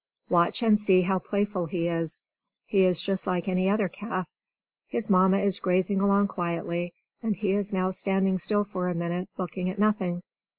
Watch and see how playful he is! He is just like any other calf. His Mamma is grazing along quietly, and he is now standing still for a minute, looking at nothing.